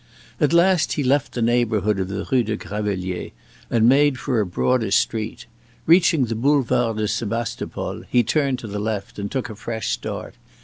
At last he left the neighborhood of the Rue des Gravelliers and made for a broader street. Reaching the Boulevard de Sebastopol, he turned to the left, and took a fresh start.